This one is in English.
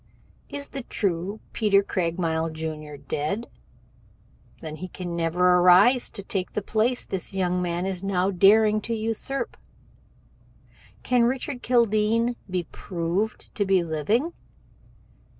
"Is the true Peter Craigmile, Jr., dead? Then he can never arise to take the place this young man is now daring to usurp. Can Richard Kildene be proved to be living?